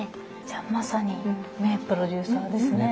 じゃあまさに名プロデューサーですね。